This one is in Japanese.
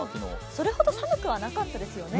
それほど寒くはなかったですよね。